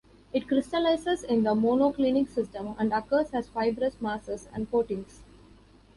It crystallizes in the monoclinic system and occurs as fibrous masses and coatings.